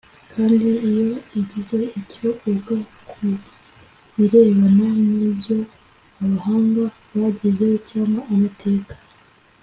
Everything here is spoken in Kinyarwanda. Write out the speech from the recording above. kandi iyo igize icyo uga ku birebana n ibyo abahanga bagezeho cyangwa amateka